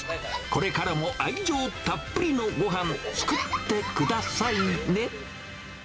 これからも愛情たっぷりのごはん、作ってくださいね。